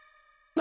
何？